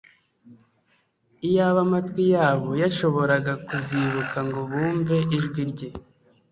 iyaba amatwi yabo yashoboraga kuzibuka ngo bumve ijwi rye! "